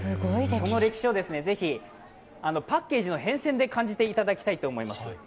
その歴史をパッケージの変遷で感じていただきたいと思います。